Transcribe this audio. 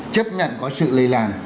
chấp nhận có sự lây lan